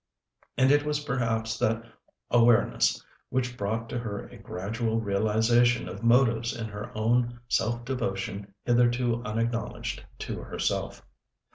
And it was perhaps that awareness which brought to her a gradual realization of motives in her own self devotion hitherto unacknowledged to herself.